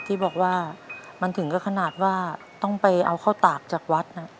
ที่บอกว่ามันถึงก็ขนาดว่าต้องไปเอาข้าวตากจากวัด